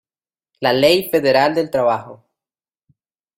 La Ley Federal del Trabajo.